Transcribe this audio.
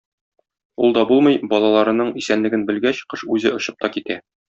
Ул да булмый, балаларының исәнлеген белгәч, кош үзе очып та китә.